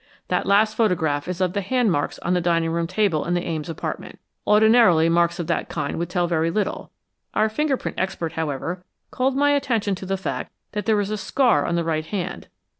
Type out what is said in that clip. That last photograph is of the hand marks on the dining room table in the Ames apartment. Ordinarily, marks of that kind would tell very little. Our finger print expert, however, called my attention to the fact that there is a scar on the right hand.